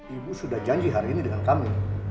ibu sudah janji hari ini dengan kami